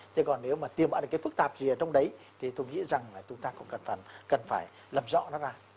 thế còn nếu mà tìm bạn được cái phức tạp gì ở trong đấy thì tôi nghĩ rằng là chúng ta cũng cần phải làm rõ nó ra